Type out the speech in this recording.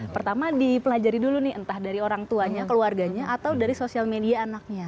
pertama dipelajari dulu nih entah dari orang tuanya keluarganya atau dari sosial media anaknya